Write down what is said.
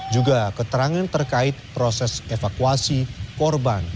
juga keterangan terkait proses evakuasi korban